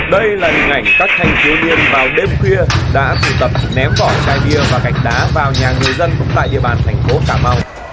đây là hình ảnh các thanh thiếu niên vào đêm khuya đã tụ tập ném vỏ chai bia và gạch đá vào nhà người dân tại địa bàn thành phố cà mau